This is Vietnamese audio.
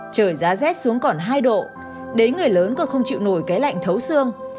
trời giá rét xuống còn hai độ đế người lớn còn không chịu nổi cái lạnh thấu xương